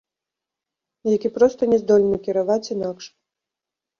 Які проста не здольны кіраваць інакш.